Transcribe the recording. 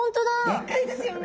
でっかいですよね。